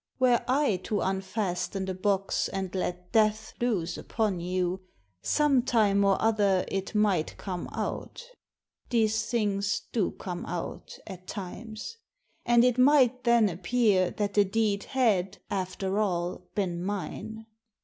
Were I to unfasten the box and let death loose upon you, some time or other it might come out — these things do come out at times — and it might then appear that the deed had, after all, been mine.